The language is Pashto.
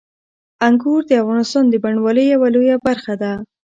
انګور د افغانستان د بڼوالۍ یوه لویه برخه ده.